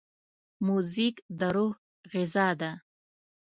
موزیک د روح غذا ده.